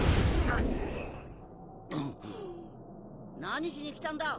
何しに来たんだ？